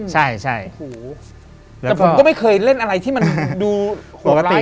แต่ผมก็ไม่เคยเล่นอะไรที่มันดูหกร้ายขนาดนี้นะ